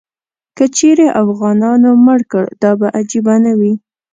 که چیرې افغانانو مړ کړ، دا به عجیبه نه وي.